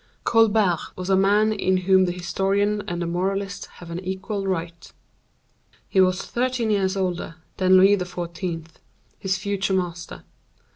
Colbert was a man in whom the historian and the moralist have an equal right. He was thirteen years older than Louis XIV., his future master.